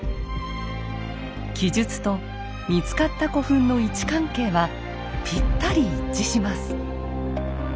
記述と見つかった古墳の位置関係はぴったり一致します。